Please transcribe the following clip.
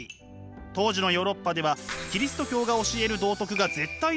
当時のヨーロッパではキリスト教が教える道徳が絶対でした。